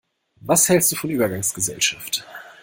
Was hälst du von Übergangsgesellschaft?